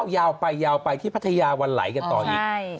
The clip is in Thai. ยาวไปยาวไปที่พัทยาวันไหลกันต่ออีก